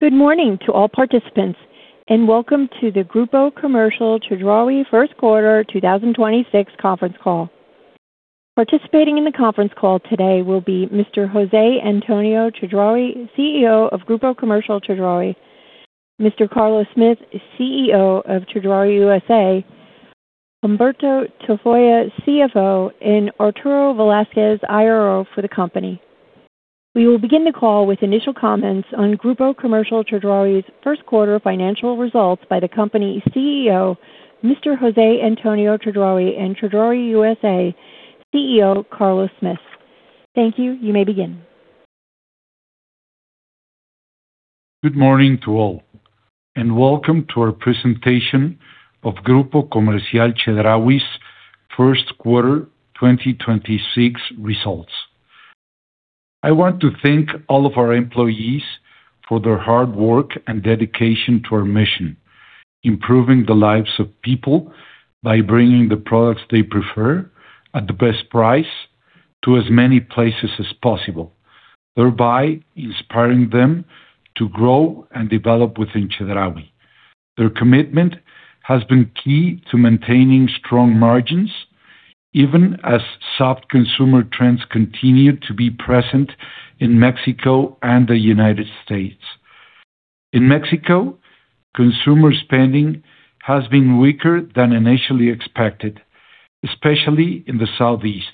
Good morning to all participants, and welcome to the Grupo Comercial Chedraui first quarter 2026 conference call. Participating in the conference call today will be Mr. José Antonio Chedraui, CEO of Grupo Comercial Chedraui, Mr. Carlos Smith, CEO of Chedraui USA, Humberto Tafolla, CFO, and Arturo Velázquez, IRO for the company. We will begin the call with initial comments on Grupo Comercial Chedraui's first quarter financial results by the company CEO, Mr. José Antonio Chedraui, and Chedraui USA CEO, Carlos Smith. Thank you. You may begin. Good morning to all, and welcome to our presentation of Grupo Comercial Chedraui's first quarter 2026 results. I want to thank all of our employees for their hard work and dedication to our mission, improving the lives of people by bringing the products they prefer at the best price to as many places as possible, thereby inspiring them to grow and develop within Chedraui. Their commitment has been key to maintaining strong margins, even as soft consumer trends continue to be present in Mexico and the United States. In Mexico, consumer spending has been weaker than initially expected, especially in the Southeast.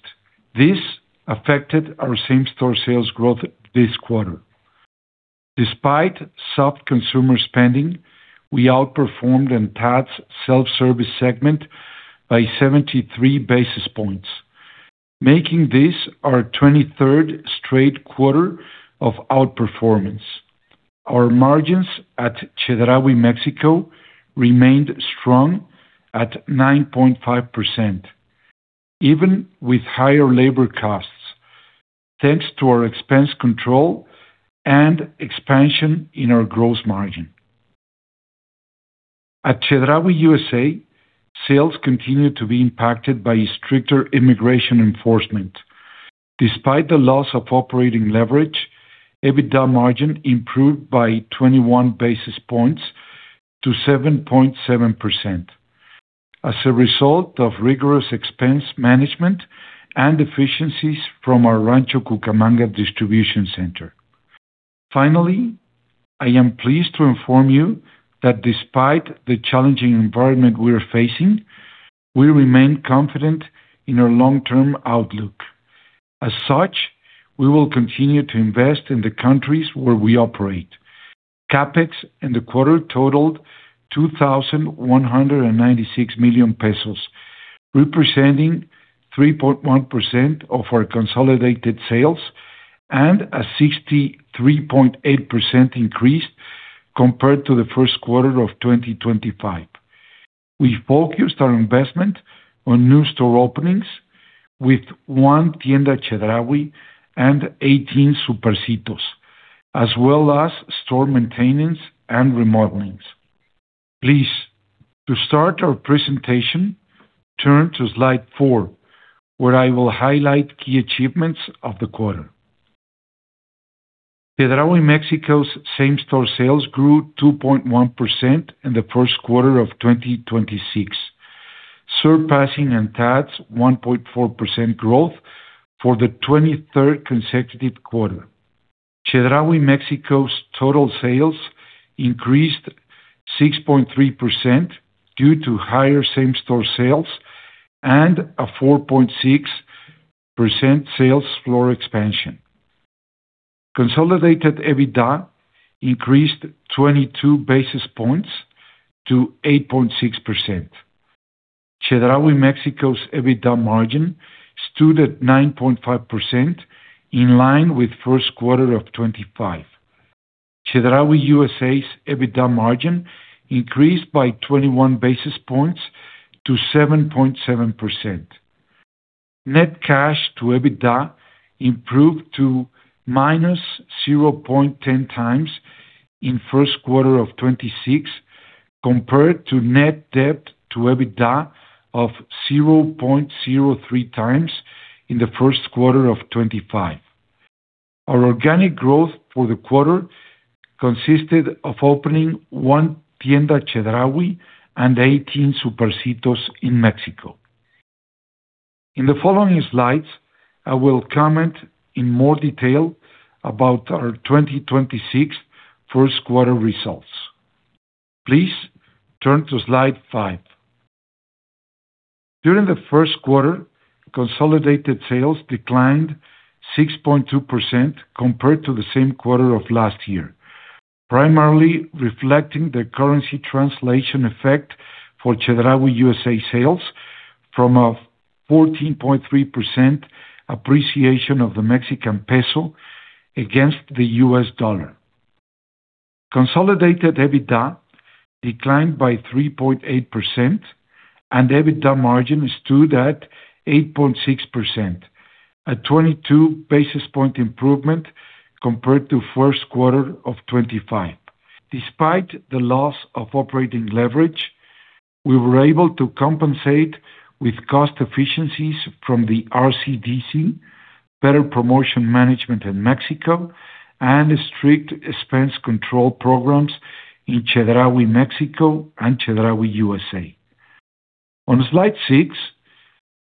This affected our same-store sales growth this quarter. Despite soft consumer spending, we outperformed ANTAD's self-service segment by 73 basis points, making this our 23rd straight quarter of outperformance. Our margins at Chedraui Mexico remained strong at 9.5%, even with higher labor costs, thanks to our expense control and expansion in our gross margin. At Chedraui USA, sales continue to be impacted by stricter immigration enforcement. Despite the loss of operating leverage, EBITDA margin improved by 21 basis points to 7.7%, as a result of rigorous expense management and efficiencies from our Rancho Cucamonga distribution center. Finally, I am pleased to inform you that despite the challenging environment we're facing, we remain confident in our long-term outlook. As such, we will continue to invest in the countries where we operate. CapEx in the quarter totaled 2,196 million pesos, representing 3.1% of our consolidated sales and a 63.8% increase compared to the first quarter of 2025. We focused our investment on new store openings with one Tienda Chedraui and 18 Supercito, as well as store maintenance and remodelings. Please, to start our presentation, turn to slide four, where I will highlight key achievements of the quarter. Chedraui Mexico's same-store sales grew 2.1% in the first quarter of 2026, surpassing ANTAD's 1.4% growth for the 23rd consecutive quarter. Chedraui Mexico's total sales increased 6.3% due to higher same-store sales and a 4.6% sales floor expansion. Consolidated EBITDA increased 22 basis points to 8.6%. Chedraui Mexico's EBITDA margin stood at 9.5%, in line with first quarter of 2025. Chedraui USA's EBITDA margin increased by 21 basis points to 7.7%. Net cash to EBITDA improved to -0.10x in first quarter of 2026 compared to net debt to EBITDA of 0.03x in the first quarter of 2025. Our organic growth for the quarter consisted of opening one Tienda Chedraui and 18 Supercito in Mexico. In the following slides, I will comment in more detail about our 2026 first quarter results. Please turn to slide five. During the first quarter, consolidated sales declined 6.2% compared to the same quarter of last year, primarily reflecting the currency translation effect for Chedraui USA sales from a 14.3% appreciation of the Mexican peso against the U.S. dollar. Consolidated EBITDA declined by 3.8%, and EBITDA margin stood at 8.6%, a 22 basis points improvement compared to first quarter of 2025. Despite the loss of operating leverage. We were able to compensate with cost efficiencies from the RCDC, better promotion management in Mexico, and strict expense control programs in Chedraui Mexico and Chedraui USA. On slide six,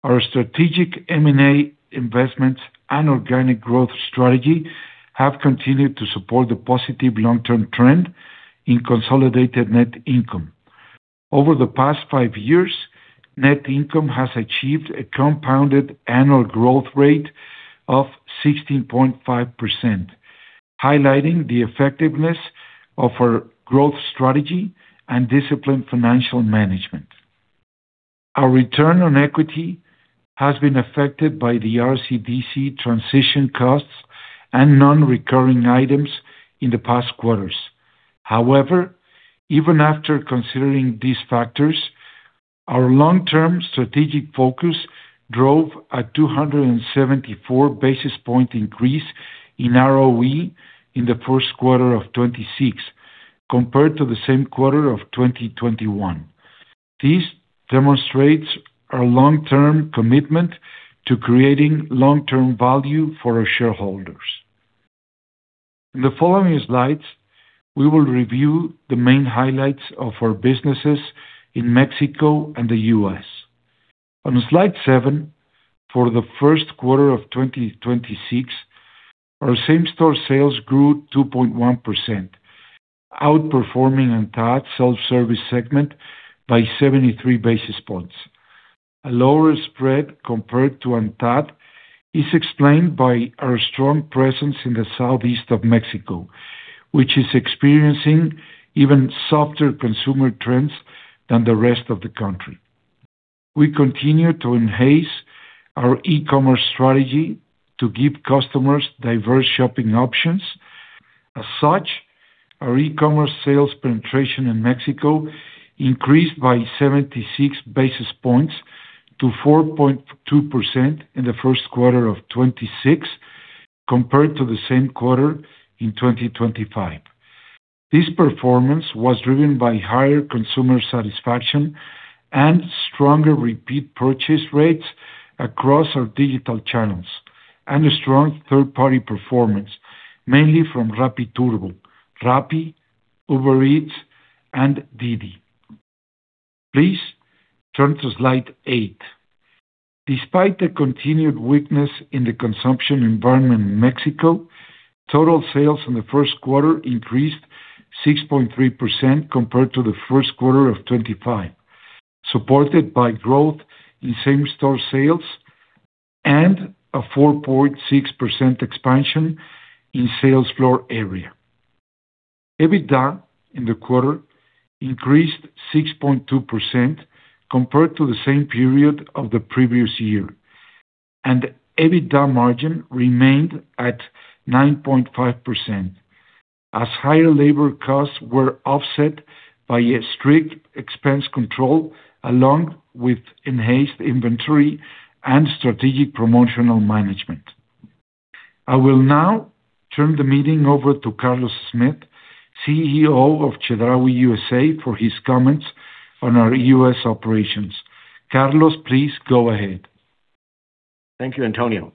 our strategic M&A investments and organic growth strategy have continued to support the positive long-term trend in consolidated net income. Over the past five years, net income has achieved a compounded annual growth rate of 16.5%, highlighting the effectiveness of our growth strategy and disciplined financial management. Our return on equity has been affected by the RCDC transition costs and non-recurring items in the past quarters. However, even after considering these factors, our long-term strategic focus drove a 274 basis point increase in ROE in the first quarter of 2026 compared to the same quarter of 2021. This demonstrates our long-term commitment to creating long-term value for our shareholders. In the following slides, we will review the main highlights of our businesses in Mexico and the US. On slide seven, for the first quarter of 2026, our same-store sales grew 2.1%, outperforming ANTAD self-service segment by 73 basis points. A lower spread compared to ANTAD is explained by our strong presence in the Southeast of Mexico, which is experiencing even softer consumer trends than the rest of the country. We continue to enhance our e-commerce strategy to give customers diverse shopping options. As such, our e-commerce sales penetration in Mexico increased by 76 basis points to 4.2% in the first quarter of 2026, compared to the same quarter in 2025. This performance was driven by higher consumer satisfaction and stronger repeat purchase rates across our digital channels, and a strong third-party performance, mainly from Rappi Turbo, Rappi, Uber Eats, and Didi. Please turn to slide eight. Despite the continued weakness in the consumption environment in Mexico, total sales in the first quarter increased 6.3% compared to the first quarter of 2025, supported by growth in same-store sales and a 4.6% expansion in sales floor area. EBITDA in the quarter increased 6.2% compared to the same period of the previous year, and EBITDA margin remained at 9.5%, as higher labor costs were offset by a strict expense control, along with enhanced inventory and strategic promotional management. I will now turn the meeting over to Carlos Smith, CEO of Chedraui USA, for his comments on our U.S. operations. Carlos, please go ahead. Thank you, Antonio.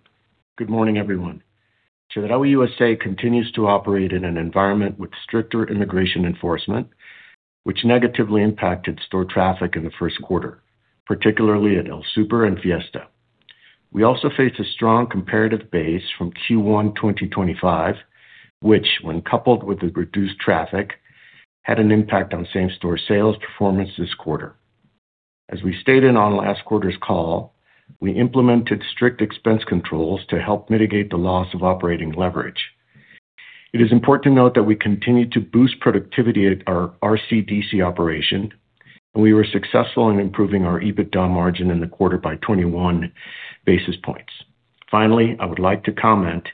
Good morning, everyone. Chedraui USA continues to operate in an environment with stricter immigration enforcement, which negatively impacted store traffic in the first quarter, particularly at El Super and Fiesta. We also faced a strong comparative base from Q1 2025, which when coupled with the reduced traffic, had an impact on same-store sales performance this quarter. As we stated on last quarter's call, we implemented strict expense controls to help mitigate the loss of operating leverage. It is important to note that we continue to boost productivity at our RCDC operation, and we were successful in improving our EBITDA margin in the quarter by 21 basis points. Finally, I would like to comment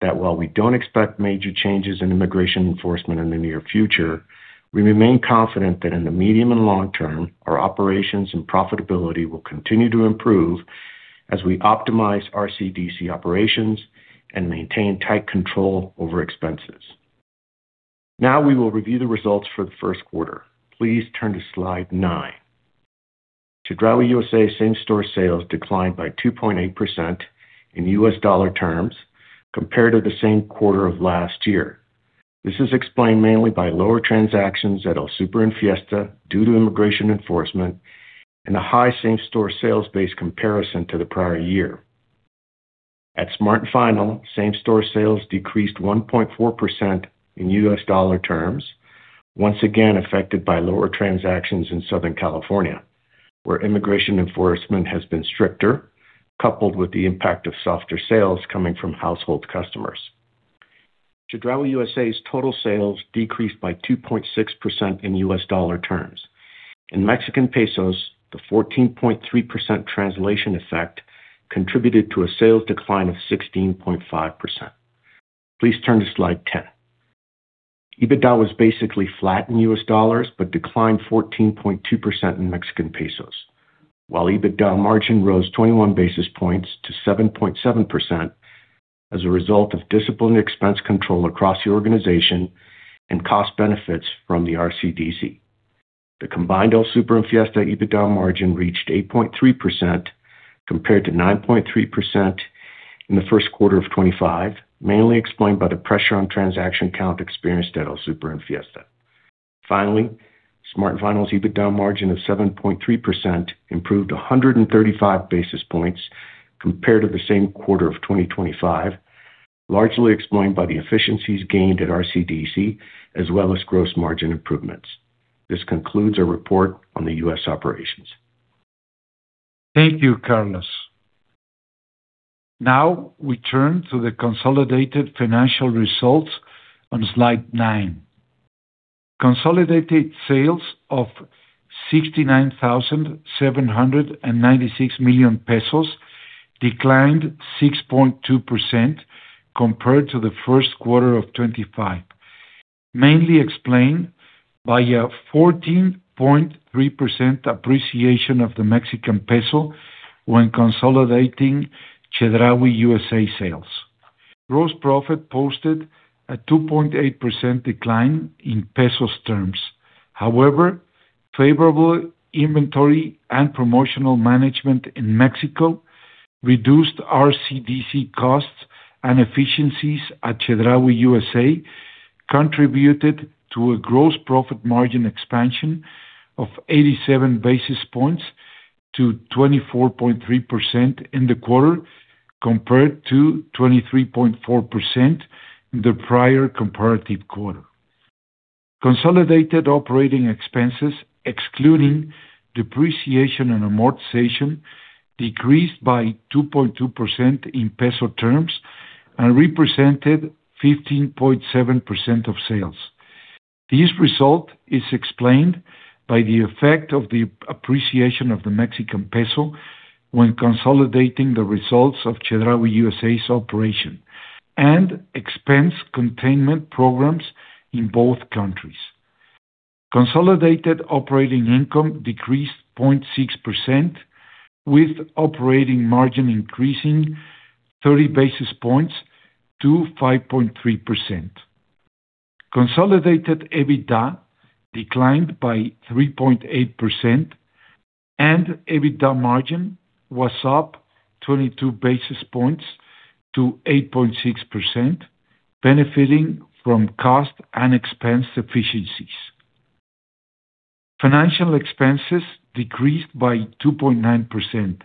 that while we don't expect major changes in immigration enforcement in the near future, we remain confident that in the medium and long term, our operations and profitability will continue to improve as we optimize RCDC operations and maintain tight control over expenses. Now, we will review the results for the first quarter. Please turn to slide nine. Chedraui USA same-store sales declined by 2.8% in US dollar terms compared to the same quarter of last year. This is explained mainly by lower transactions at El Super and Fiesta due to immigration enforcement and a high same-store sales base comparison to the prior year. At Smart & Final, same-store sales decreased 1.4% in US dollar terms, once again affected by lower transactions in Southern California, where immigration enforcement has been stricter, coupled with the impact of softer sales coming from household customers. Chedraui USA's total sales decreased by 2.6% in U.S. dollar terms. In Mexican pesos, the 14.3% translation effect contributed to a sales decline of 16.5%. Please turn to slide 10. EBITDA was basically flat in U.S. dollars, but declined 14.2% in Mexican pesos. While EBITDA margin rose 21 basis points to 7.7% as a result of disciplined expense control across the organization and cost benefits from the RCDC. The combined El Super and Fiesta Mart EBITDA margin reached 8.3%, compared to 9.3% in the first quarter of 2025, mainly explained by the pressure on transaction count experienced at El Super and Fiesta Mart. Finally, Smart & Final's EBITDA margin of 7.3% improved 135 basis points compared to the same quarter of 2025, largely explained by the efficiencies gained at RCDC as well as gross margin improvements. This concludes our report on the U.S. operations. Thank you, Carlos. Now we turn to the consolidated financial results on slide nine. Consolidated sales of MXN 69,796 million declined 6.2% compared to the first quarter of 2025, mainly explained by a 14.3% appreciation of the Mexican peso when consolidating Chedraui USA sales. Gross profit posted a 2.8% decline in peso terms. However, favorable inventory and promotional management in Mexico reduced RCDC costs and efficiencies at Chedraui USA contributed to a gross profit margin expansion of 87 basis points to 24.3% in the quarter compared to 23.4% in the prior comparative quarter. Consolidated operating expenses, excluding depreciation and amortization, decreased by 2.2% in peso terms and represented 15.7% of sales. This result is explained by the effect of the appreciation of the Mexican peso when consolidating the results of Chedraui USA's operation and expense containment programs in both countries. Consolidated operating income decreased 0.6%, with operating margin increasing 30 basis points to 5.3%. Consolidated EBITDA declined by 3.8% and EBITDA margin was up 22 basis points to 8.6%, benefiting from cost and expense efficiencies. Financial expenses decreased by 2.9%,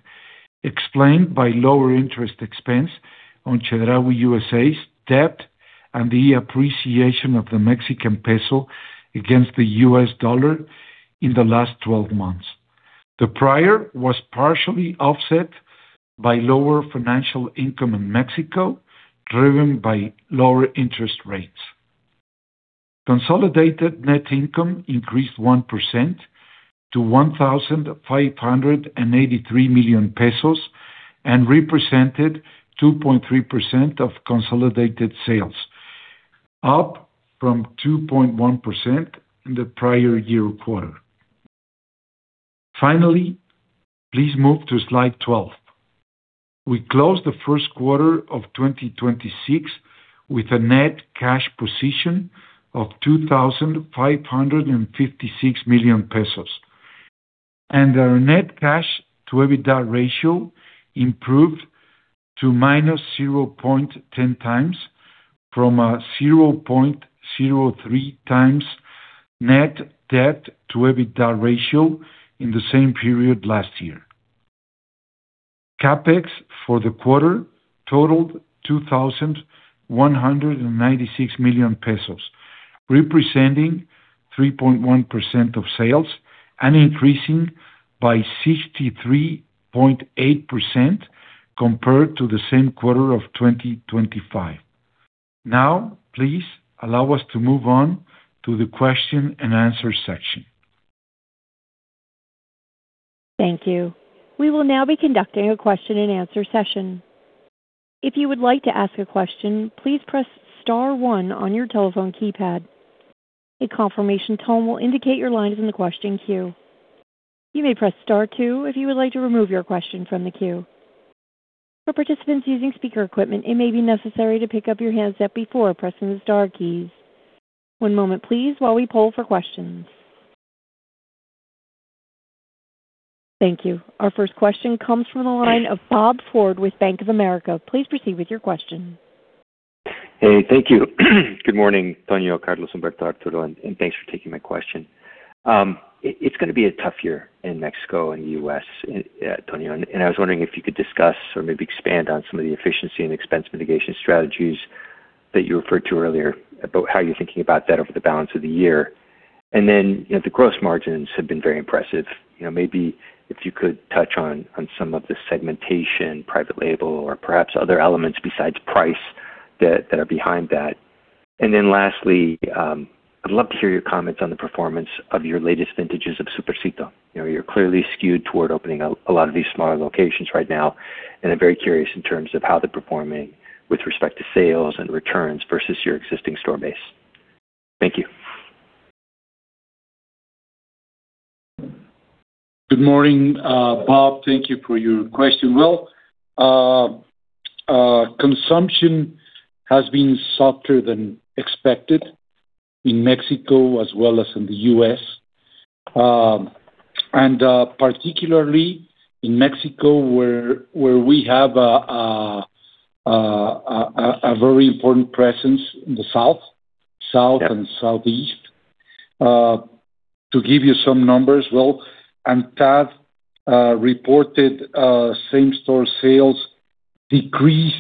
explained by lower interest expense on Chedraui USA's debt and the appreciation of the Mexican peso against the U.S. dollar in the last 12 months. The prior was partially offset by lower financial income in Mexico, driven by lower interest rates. Consolidated net income increased 1% to 1,583 million pesos and represented 2.3% of consolidated sales, up from 2.1% in the prior year quarter. Finally, please move to slide 12. We closed the first quarter of 2026 with a net cash position of 2,556 million pesos, and our net cash to EBITDA ratio improved to -0.10x from a 0.03x net debt to EBITDA ratio in the same period last year. CapEx for the quarter totaled 2,196 million pesos, representing 3.1% of sales and increasing by 63.8% compared to the same quarter of 2025. Now please allow us to move on to the question and answer section. Thank you. We will now be conducting a question and answer session. If you would like to ask a question, please press star one on your telephone keypad. A confirmation tone will indicate your line is in the question queue. You may press star two if you would like to remove your question from the queue. For participants using speaker equipment, it may be necessary to pick up your handset before pressing the star keys. One moment please while we poll for questions. Thank you. Our first question comes from the line of Robert Ford with Bank of America. Please proceed with your question. Hey. Thank you. Good morning, Antonio, Carlos, Humberto, Arturo, and thanks for taking my question. It's gonna be a tough year in Mexico and U.S., Antonio, and I was wondering if you could discuss or maybe expand on some of the efficiency and expense mitigation strategies that you referred to earlier about how you're thinking about that over the balance of the year. The gross margins have been very impressive. Maybe if you could touch on some of the segmentation, private label or perhaps other elements besides price that are behind that. Lastly, I'd love to hear your comments on the performance of your latest vintages of Supercito. You're clearly skewed toward opening a lot of these smaller locations right now, and I'm very curious in terms of how they're performing with respect to sales and returns versus your existing store base. Thank you. Good morning, Bob. Thank you for your question. Well, consumption has been softer than expected in Mexico as well as in the U.S., and particularly in Mexico, where we have a very important presence in the South and Southeast. To give you some numbers, well, ANTAD reported same-store sales decrease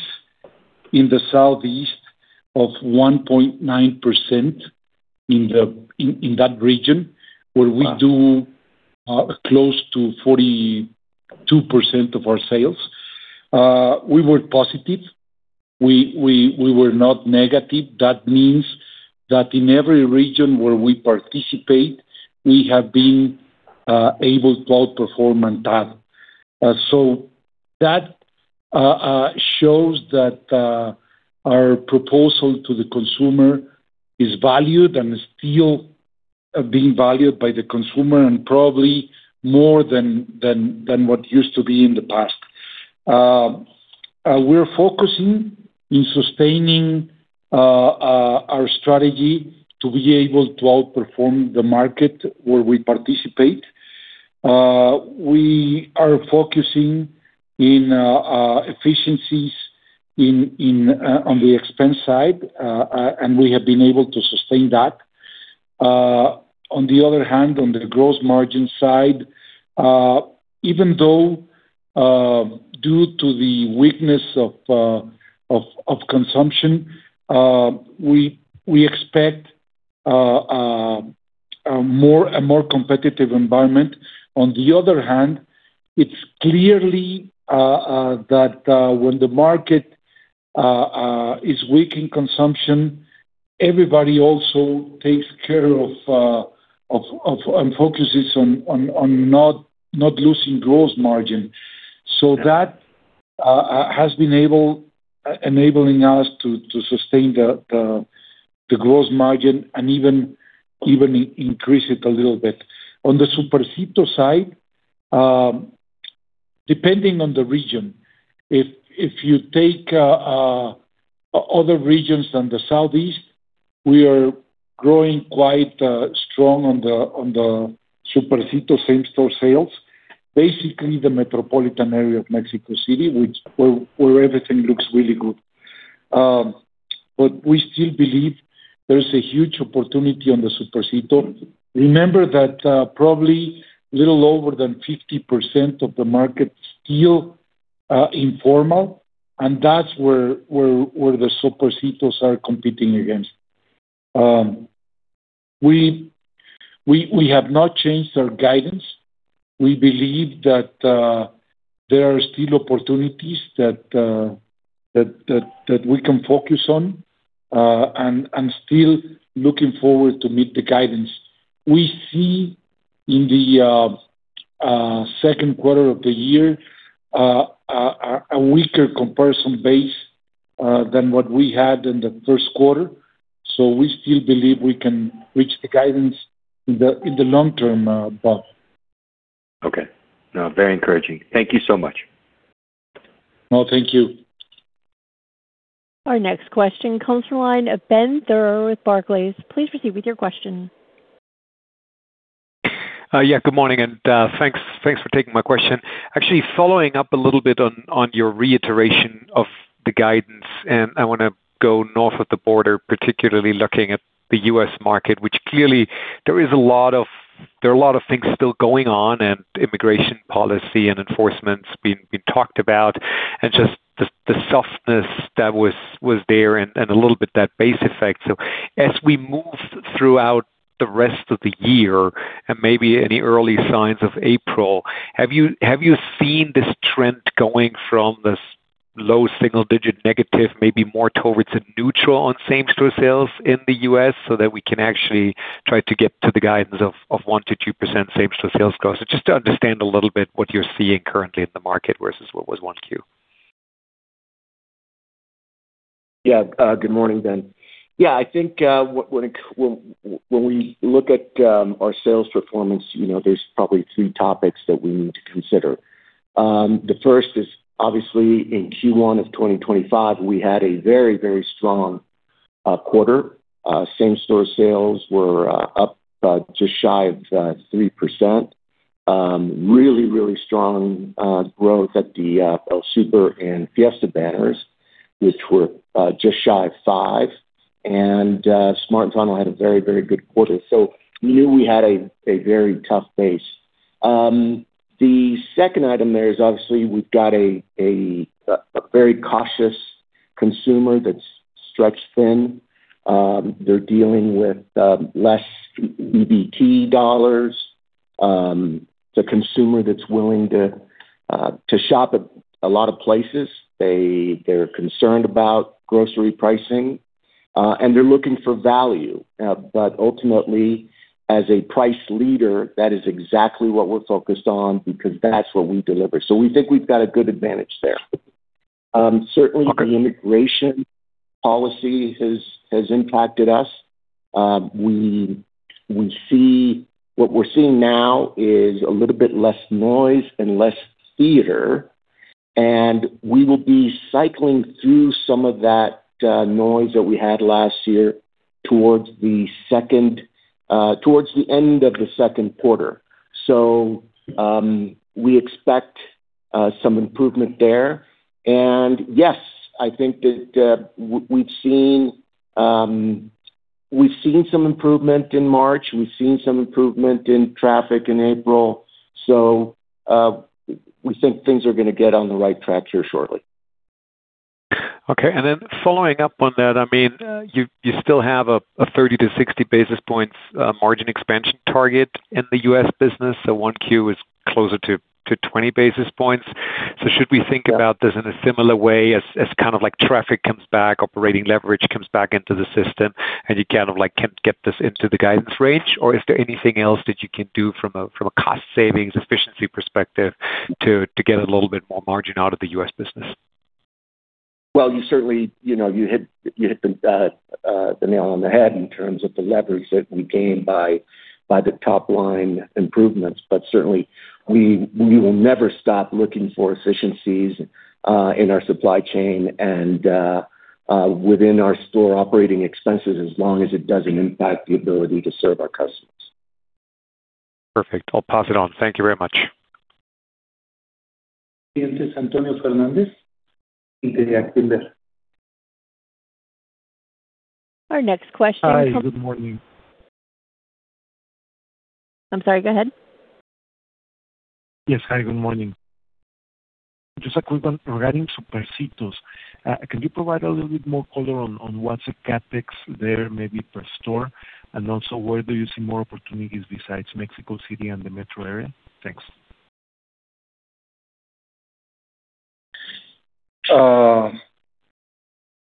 in the Southeast of 1.9% in that region, where we do close to 42% of our sales. We were positive. We were not negative. That means that in every region where we participate, we have been able to out-perform ANTAD. That shows that our proposal to the consumer is valued and is still being valued by the consumer and probably more than what used to be in the past. We're focusing on sustaining our strategy to be able to outperform the market where we participate. We are focusing on efficiencies on the expense side, and we have been able to sustain that. On the other hand, on the gross margin side, even though due to the weakness of consumption, we expect a more competitive environment, it's clear that when the market is weak in consumption, everybody also takes care of and focuses on not losing gross margin. That has been enabling us to sustain the gross margin and even increase it a little bit. On the Supercito side, depending on the region, if you take other regions than the Southeast, we are growing quite strong on the Supercito same-store sales, basically the metropolitan area of Mexico City, where everything looks really good. We still believe there's a huge opportunity on the Supercito. Remember that probably a little over 50% of the market is still informal, and that's where the Supercito are competing against. We have not changed our guidance. We believe that there are still opportunities that we can focus on, and I'm still looking forward to meeting the guidance. We see in the second quarter of the year a weaker comparison base than what we had in the first quarter. We still believe we can reach the guidance in the long term, Bob. Okay. No, very encouraging. Thank you so much. No, thank you. Our next question comes from the line of Benjamin Theurer with Barclays. Please proceed with your question. Yeah, good morning, and thanks for taking my question. Actually, following up a little bit on your reiteration of the guidance, and I want to go north of the border, particularly looking at the US market, which clearly there are a lot of things still going on and immigration policy and enforcement being talked about and just the softness that was there and a little bit that base effect. As we move throughout the rest of the year and maybe any early signs of April, have you seen this trend going from this low single-digit negative, maybe more towards a neutral on same-store sales in the U.S. so that we can actually try to get to the guidance of 1%-2% same-store sales growth? Just to understand a little bit what you're seeing currently in the market versus what was Q1. Yeah. Good morning, Ben. Yeah, I think when we look at our sales performance, there's probably three topics that we need to consider. The first is obviously in Q1 of 2025, we had a very strong quarter. Same-store sales were up just shy of 3%. Really strong growth at the El Super and Fiesta banners, which were just shy of 5%. Smart & Final had a very good quarter. We knew we had a very tough base. The second item there is obviously we've got a very cautious consumer that's stretched thin. They're dealing with less EBT dollars. It's a consumer that's willing to shop at a lot of places. They're concerned about grocery pricing. They're looking for value. Ultimately, as a price leader, that is exactly what we're focused on because that's what we deliver. We think we've got a good advantage there. Certainly the immigration policy has impacted us. What we're seeing now is a little bit less noise and less theater, and we will be cycling through some of that noise that we had last year towards the end of the second quarter. We expect some improvement there. Yes, I think that we've seen some improvement in March. We've seen some improvement in traffic in April. We think things are going to get on the right track here shortly. Okay. Following up on that, you still have a 30basis points-60 basis points margin expansion target in the U.S. business. Q1 is closer to 20 basis points. Should we think about this in a similar way as kind of like traffic comes back, operating leverage comes back into the system, and you kind of like can get this into the guidance range? Or is there anything else that you can do from a cost savings efficiency perspective to get a little bit more margin out of the U.S. business? Well, you certainly hit the nail on the head in terms of the leverage that we gain by the top line improvements. Certainly, we will never stop looking for efficiencies in our supply chain and within our store operating expenses, as long as it doesn't impact the ability to serve our customers. Perfect. I'll pass it on. Thank you very much. This is José Antonio Chedraui. Our next question. Hi. Good morning. I'm sorry. Go ahead. Yes. Hi, good morning. Just a quick one regarding Supercito. Can you provide a little bit more color on what's the CapEx there, maybe per store? Where do you see more opportunities besides Mexico City and the metro area? Thanks.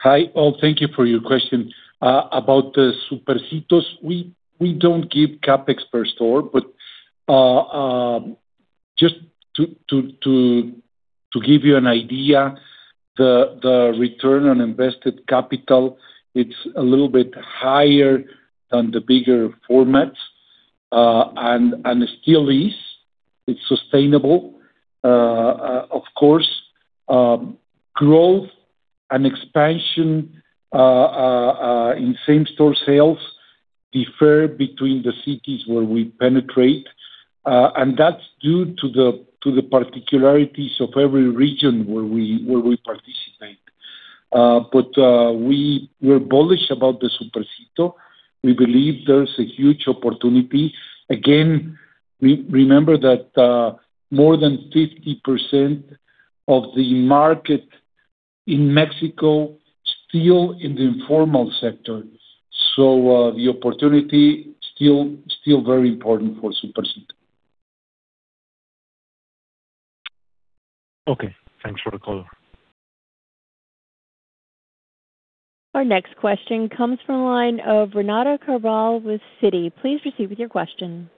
Hi, all. Thank you for your question. About the Supercito, we don't give CapEx per store. Just to give you an idea, the return on invested capital, it's a little bit higher than the bigger formats, and it still is. It's sustainable, of course. Growth and expansion in same-store sales differ between the cities where we penetrate. That's due to the particularities of every region where we participate. We're bullish about the Supercito. We believe there's a huge opportunity. Again, remember that more than 50% of the market in Mexico still in the informal sector. The opportunity still very important for Supercito. Okay. Thanks for the call. Our next question comes from the line of Renata Cabral with Citi. Please proceed with your question.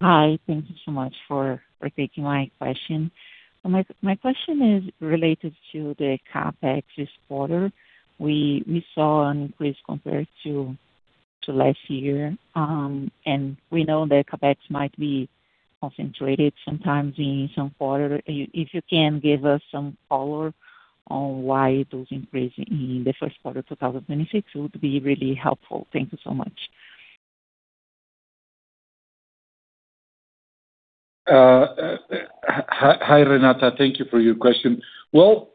Hi. Thank you so much for taking my question. My question is related to the CapEx this quarter. We saw an increase compared to last year. We know that CapEx might be concentrated sometimes in some quarter. If you can give us some color on why those increase in the first quarter 2026 would be really helpful. Thank you so much. Hi, Renata. Thank you for your question. Well,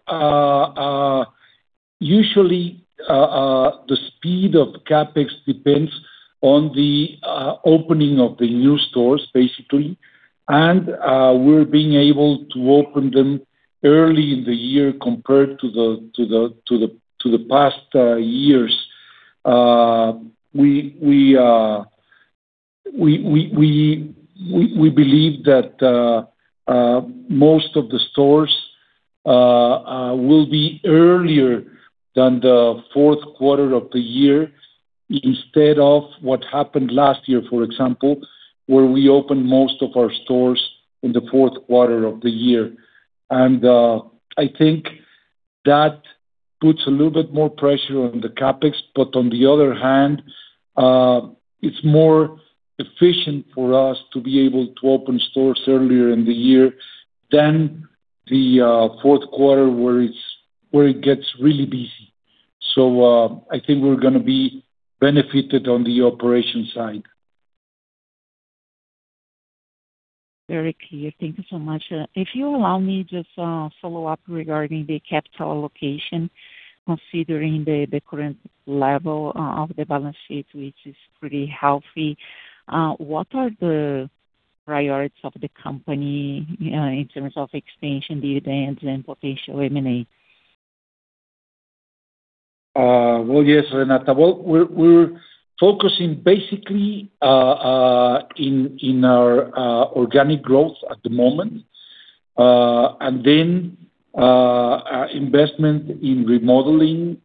usually, the speed of CapEx depends on the opening of the new stores, basically. We're being able to open them early in the year compared to the past years. We believe that most of the stores will be earlier than the fourth quarter of the year, instead of what happened last year, for example, where we opened most of our stores in the fourth quarter of the year. I think that puts a little bit more pressure on the CapEx, but on the other hand, it's more efficient for us to be able to open stores earlier in the year than the fourth quarter where it gets really busy. I think we're gonna be benefited on the operation side. Very clear. Thank you so much. If you allow me just a follow-up regarding the capital allocation, considering the current level of the balance sheet, which is pretty healthy, what are the priorities of the company, in terms of expansion, dividends, and potential M&A? Well, yes, Renata. We're focusing basically in our organic growth at the moment. Investment in remodeling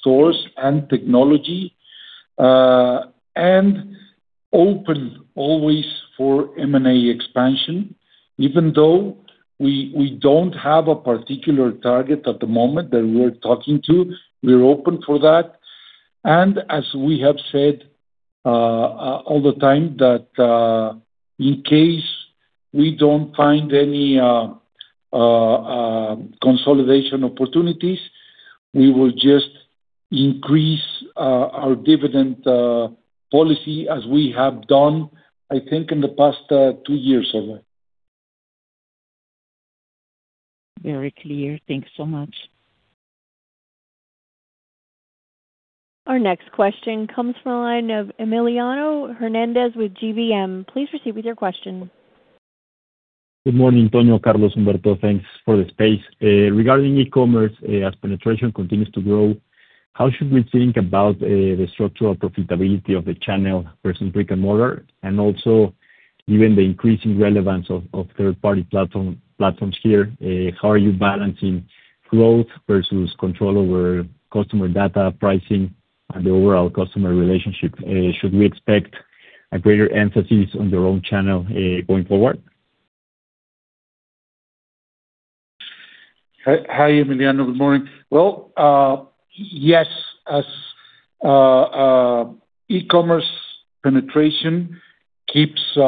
stores and technology, and open always for M&A expansion. Even though we don't have a particular target at the moment that we're talking to, we're open for that. We have said all the time that, in case we don't find any consolidation opportunities, we will just increase our dividend policy as we have done, I think, in the past two years or more. Very clear. Thanks so much. Our next question comes from the line of Emiliano Hernández with GBM. Please proceed with your question. Good morning, Antonio, Carlos, Humberto. Thanks for the space. Regarding e-commerce, as penetration continues to grow, how should we think about the structural profitability of the channel versus brick and mortar? Given the increasing relevance of third-party platforms here, how are you balancing growth versus control over customer data pricing and the overall customer relationship? Should we expect a greater emphasis on their own channel, going forward? Hi, Emiliano. Good morning. Well, yes, as e-commerce penetration keeps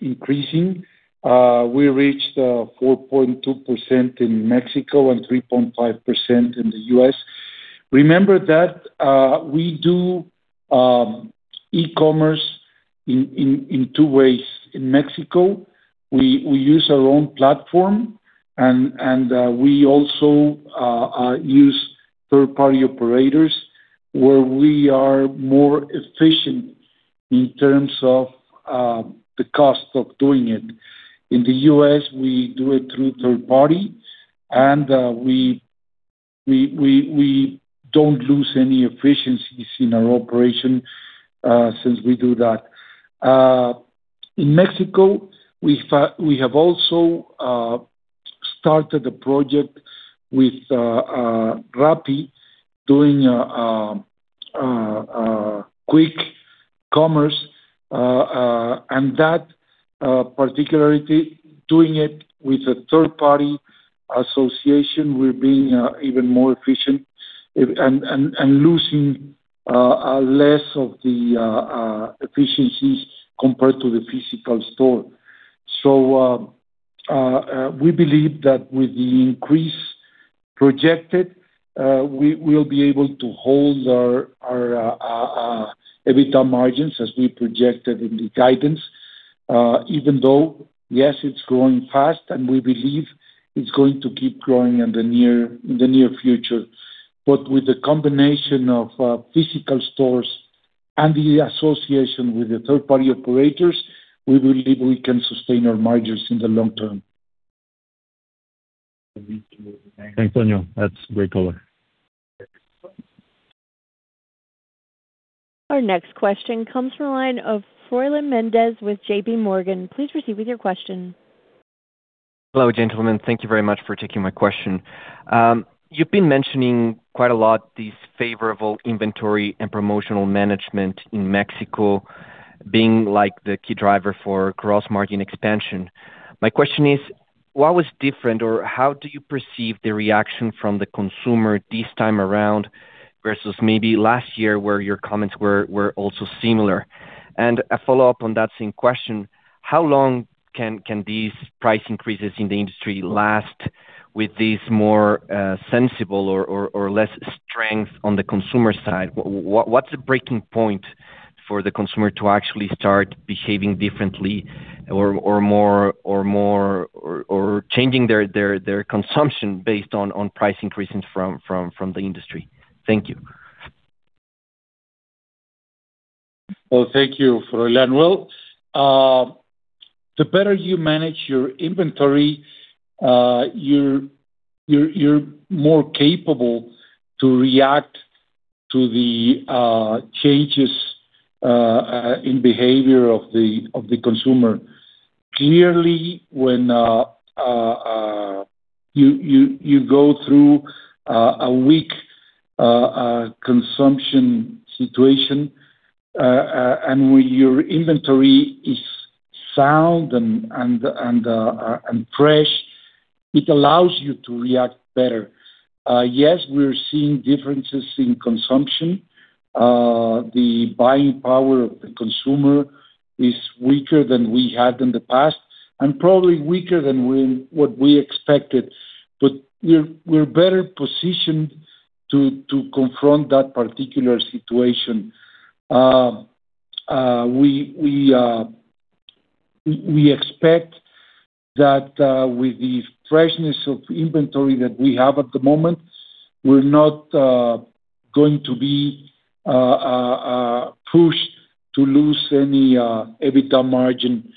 increasing, we reached 4.2% in Mexico and 3.5% in the U.S. Remember that we do e-commerce in two ways. In Mexico, we use our own platform and we also use third-party operators where we are more efficient in terms of the cost of doing it. In the U.S., we do it through third-party, and we don't lose any efficiencies in our operation since we do that. In Mexico, we have also started a project with Rappi doing quick commerce. That particularity, doing it with a third-party association will be even more efficient and losing less of the efficiencies compared to the physical store. We believe that with the increase projected, we will be able to hold our EBITDA margins as we projected in the guidance. Even though, yes, it's growing fast, and we believe it's going to keep growing in the near future, with the combination of physical stores and the association with the third-party operators, we believe we can sustain our margins in the long term. Thanks, Antonio. That's great color. Our next question comes from the line of Froylan Mendez with J.P. Morgan. Please proceed with your question. Hello, gentlemen. Thank you very much for taking my question. You've been mentioning quite a lot this favorable inventory and promotional management in Mexico being the key driver for gross-margin expansion. My question is, what was different, or how do you perceive the reaction from the consumer this time around versus maybe last year where your comments were also similar? A follow-up on that same question, how long can these price increases in the industry last with this more sensible or less strength on the consumer side? What's the breaking point for the consumer to actually start behaving differently or more, or changing their consumption based on price increases from the industry? Thank you. Well, thank you, Froylan. The better you manage your inventory, you're more capable to react to the changes in behavior of the consumer. Clearly, when you go through a weak consumption situation, and when your inventory is sound and fresh, it allows you to react better. Yes, we're seeing differences in consumption. The buying power of the consumer is weaker than we had in the past and probably weaker than what we expected. We're better positioned to confront that particular situation. We expect that with the freshness of inventory that we have at the moment, we're not going to be pushed to lose any EBITDA margin,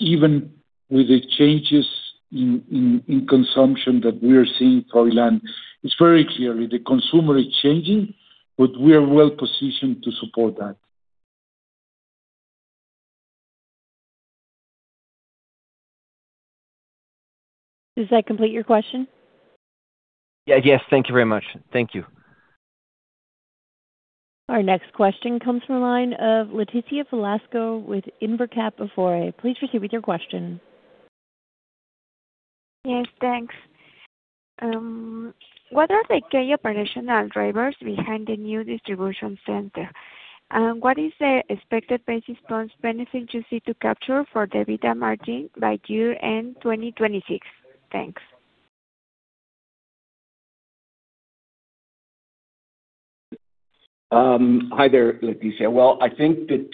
even with the changes in consumption that we are seeing, Froylan. It's very clear. The consumer is changing, but we are well positioned to support that. Does that complete your question? Yes. Thank you very much. Thank you. Our next question comes from the line of Leticia Velasco with InverCap Afore. Please proceed with your question. Yes. Thanks. What are the key operational drivers behind the new distribution center? What is the expected basis points benefit you see to capture for the EBITDA margin by year end 2026? Thanks. Hi there, Leticia. Well, I think that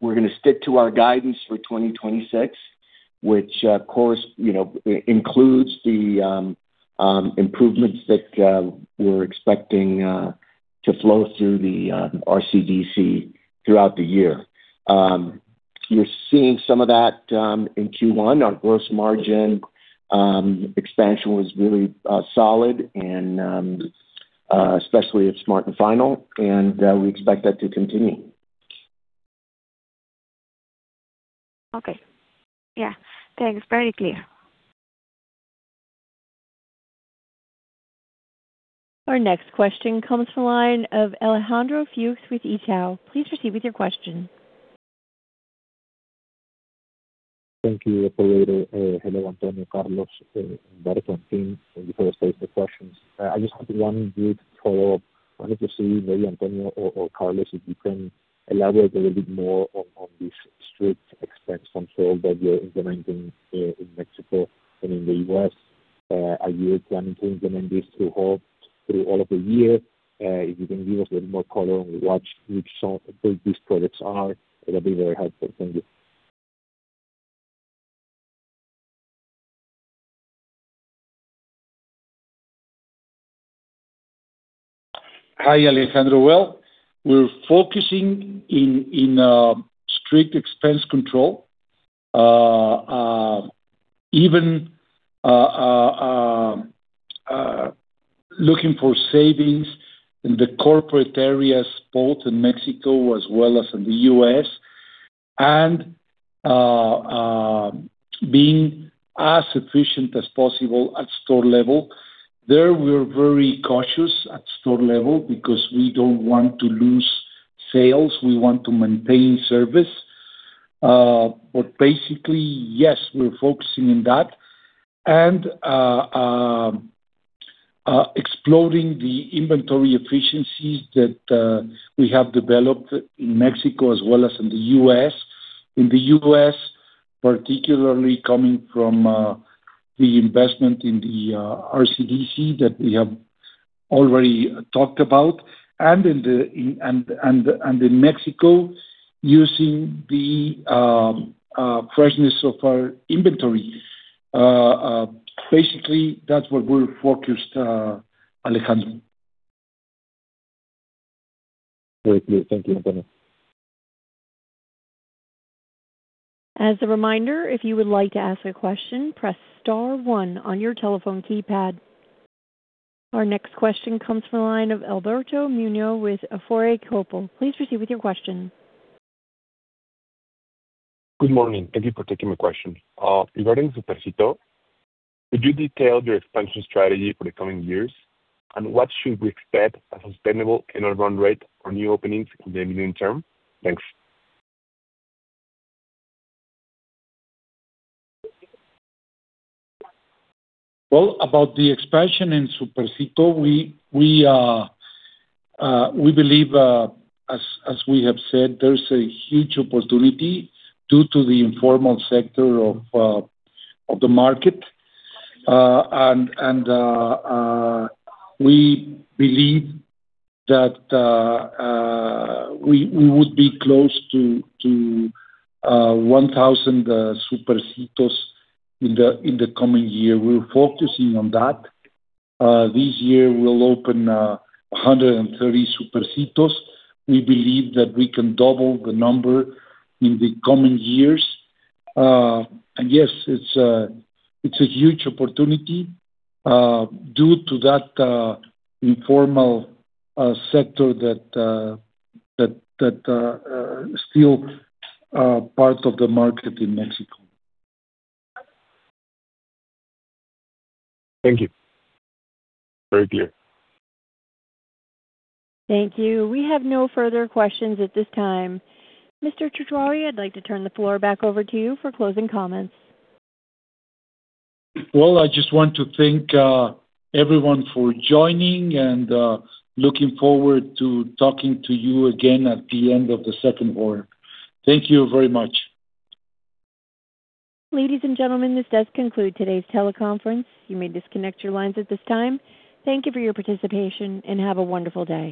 we're going to stick to our guidance for 2026, which, of course, includes the improvements that we're expecting to flow through the RCDC throughout the year. You're seeing some of that in Q1. Our gross margin expansion was really solid and especially at Smart & Final, and we expect that to continue. Okay. Yeah. Thanks. Very clear. Our next question comes from the line of Alejandro Fuchs with Itaú. Please proceed with your question. Thank you, operator. Hello, Antonio, Carlos, Humberto, and team. Before I state the questions, I just have one brief follow-up. I wanted to see maybe Antonio or Carlos, if you can elaborate a little bit more on this strict expense control that you're implementing in Mexico and in the US. Are you planning to implement this through all of the year? If you can give us a little more color on what these products are, that'd be very helpful. Thank you. Hi, Alejandro. Well, we're focusing on strict expense control. Even looking for savings in the corporate areas, both in Mexico as well as in the U.S., and being as efficient as possible at store level. There we're very cautious at store level because we don't want to lose sales. We want to maintain service. But basically, yes, we're focusing on that and exploring the inventory efficiencies that we have developed in Mexico as well as in the U.S. In the U.S., particularly coming from the investment in the RCDC that we have already talked about, and in Mexico using the freshness of our inventory. Basically, that's what we're focused, Alejandro. Very clear. Thank you, Antonio. As a reminder, if you would like to ask a question, press star one on your telephone keypad. Our next question comes from the line of Alberto Muñoz with Afore Coppel. Please proceed with your question. Good morning. Thank you for taking my question. Regarding Supercito, could you detail your expansion strategy for the coming years, and what should we expect a sustainable run rate for new openings in the medium term? Thanks. Well, about the expansion in Supercito, we believe as we have said, there's a huge opportunity due to the informal sector of the market. We believe that we would be close to 1,000 Supercito in the coming year. We're focusing on that. This year, we'll open 130 Supercito. We believe that we can double the number in the coming years. Yes, it's a huge opportunity due to that informal sector that still parts of the market in Mexico. Thank you. Very clear. Thank you. We have no further questions at this time. Mr. Chedraui, I'd like to turn the floor back over to you for closing comments. Well, I just want to thank everyone for joining, and looking forward to talking to you again at the end of the second quarter. Thank you very much. Ladies and gentlemen, this does conclude today's teleconference. You may disconnect your lines at this time. Thank you for your participation, and have a wonderful day.